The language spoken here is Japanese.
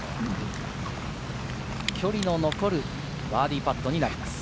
距離の残るバーディーパットになります。